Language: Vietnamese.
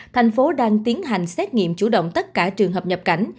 thành phố đang tiến hành xét nghiệm chủ động tất cả trường hợp nhập cảnh